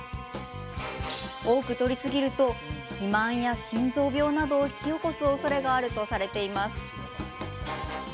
多くとりすぎると肥満や心臓病などを引き起こすおそれがあるとされています。